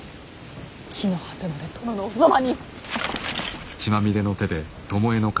地の果てまで殿のおそばに！